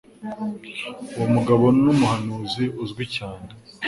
Uwo mugabo numuhanzi uzwi cyane.